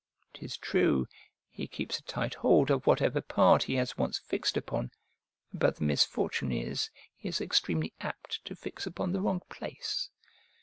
('Tis true, he keeps a tight hold of whatever part he has once fixed upon; but the misfortune is, he is extremely apt to fix upon the wrong place.)